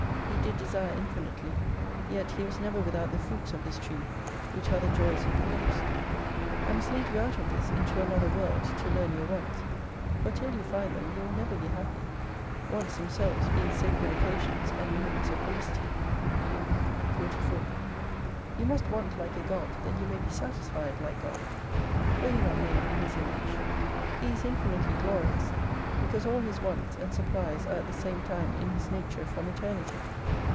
He did desire infinitely, yet He was never without the fruits of this Tree, which are the joys it produced. I must lead you out of this, into another World, to learn your wants. For till you find them you will never be happy : Wants themselves being Sacred Occasions and Means of Felicity. 44 You must want like a God that you may be satisfied like God. Were you not made in His Image ? He is infinitely Glorious, because all His wants and supplies are at the same time in his nature from Eternity.